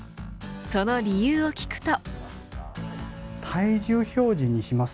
その理由を聞くと。